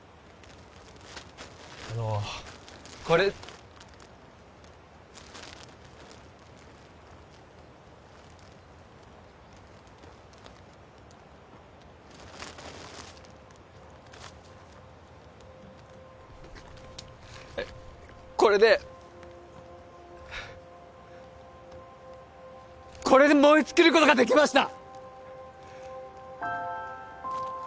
あのこれこれでこれで燃え尽きることができました